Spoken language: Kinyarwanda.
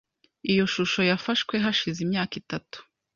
Iyo shusho yafashwe hashize imyaka itatu .